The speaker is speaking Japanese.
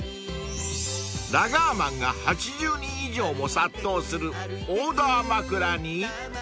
［ラガーマンが８０人以上も殺到するオーダー枕に］